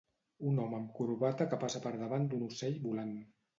Un home amb corbata que passa per davant d'un ocell volant.